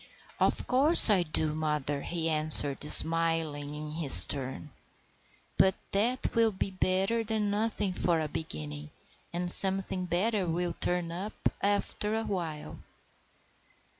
"Of course I do, mother," he answered, smiling in his turn. "But that will be better than nothing for a beginning, and something better will turn up after a while."